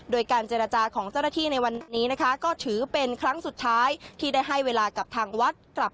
โดยการเจรจาของเจรถีในวันนี้ก็ถือเป็นครั้งสุดท้ายที่ได้ให้เวลากับทางวัด